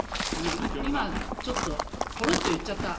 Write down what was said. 今、ちょっとぽろっと言っちゃった。